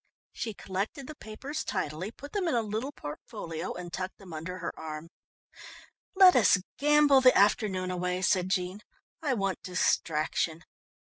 She collected the papers tidily, put them in a little portfolio and tucked them under her arm. "Let us gamble the afternoon away," said Jean. "I want distraction."